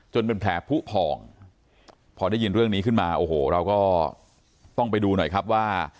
เป็นแผลผู้พองพอได้ยินเรื่องนี้ขึ้นมาโอ้โหเราก็ต้องไปดูหน่อยครับว่า